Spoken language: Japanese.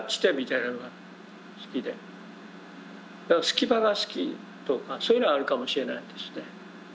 隙間が好きとかそういうのはあるかもしれないですね。